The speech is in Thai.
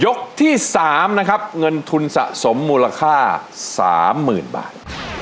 ที่๓นะครับเงินทุนสะสมมูลค่า๓๐๐๐บาท